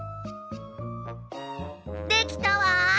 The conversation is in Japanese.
できたわ！